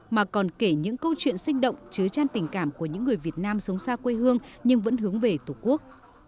mà còn kể những câu chuyện sinh động chứa tràn tình cảm của những người việt nam sống xa quê hương nhưng vẫn hướng về tổ quốc